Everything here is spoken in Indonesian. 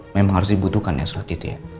memang harus dibutuhkan ya seperti itu ya